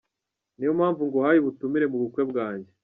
Ni yo mpamvu nguhaye ubutumire mu bukwe bwanjye.